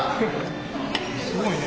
すごいね。